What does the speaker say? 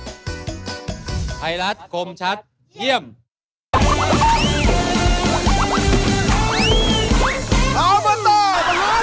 ไทยรัฐคมชัดเยี่ยม